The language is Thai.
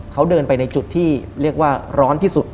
เขาเดินไปในจุดที่เรียกว่าร้อนที่สุด